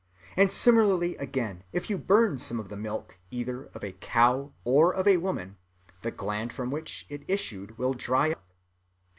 And similarly again, if you burn some of the milk either of a cow or of a woman, the gland from which it issued will dry up.